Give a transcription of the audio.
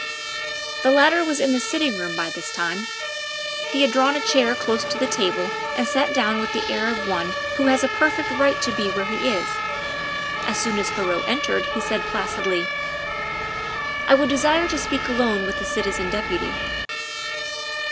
The latter was in the sitting room by this time; he had drawn a chair close to the table and sat down with the air of one who has a perfect right to be where he is; as soon as Heriot entered he said placidly: "I would desire to speak alone with the citizen deputy."